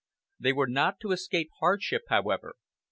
They were not to escape hardship, however.